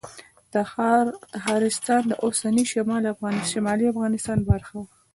تخارستان د اوسني شمالي افغانستان برخه وه